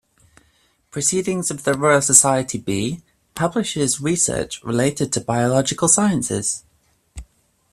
"Proceedings of the Royal Society B" publishes research related to biological sciences.